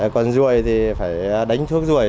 còn ruồi thì phải đánh thuốc ruồi